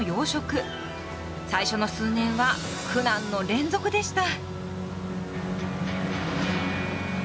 最初の数年は苦難の連続でした。